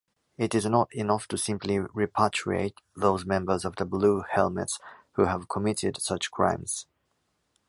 It is not enough to simply repatriate those members of the Blue Helmets who have committed such crimes.